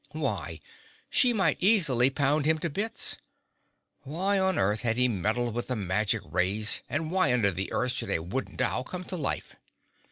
Why, she might easily pound him to bits. Why on earth had he meddled with the magic rays and why under the earth should a wooden doll come to life?